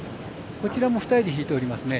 こちらも２人で引いていますね。